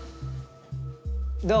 どう？